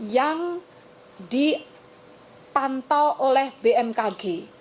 yang dipantau oleh bmkg